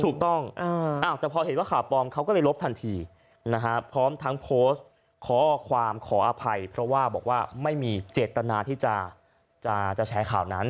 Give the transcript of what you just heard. ถูกต้องแต่พอเห็นว่าข่าวปลอมเขาก็เลยลบทันทีนะฮะพร้อมทั้งโพสต์ข้อความขออภัยเพราะว่าบอกว่าไม่มีเจตนาที่จะแชร์ข่าวนั้น